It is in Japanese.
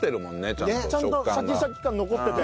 ちゃんとシャキシャキ感残ってて。